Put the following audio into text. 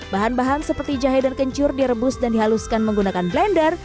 bahan bahan seperti jahe dan kencur direbus dan dihaluskan menggunakan blender